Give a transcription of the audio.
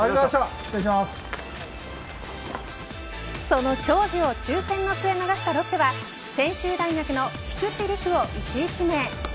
その荘司を抽選の末逃したロッテは専修大学の菊地吏玖を１位指名。